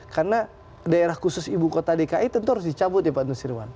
karena daerah khusus ibu kota dki tentu harus dicabut ya pak tiongkok